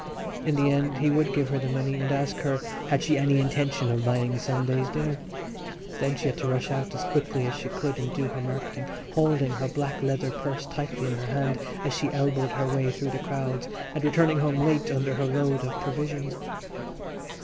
In the end he would give her the money and ask her had she any intention of buying Sunday's dinner. Then she had to rush out as quickly as she could and do her marketing, holding her black leather purse tightly in her hand as she elbowed her way through the crowds and returning home late under her load of provisions.